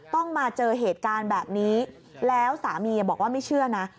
ต้องมาเจอเหตุการณ์แบบนี้แล้วสามีบอกว่าไม่เชื่อนะ